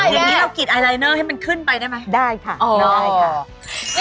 อย่างนี้เรากิจไอลายเนอร์ให้มันขึ้นไปได้ไหมได้ค่ะได้ค่ะ